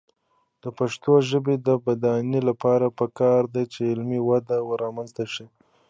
د پښتو ژبې د بډاینې لپاره پکار ده چې علمي وده رامنځته شي.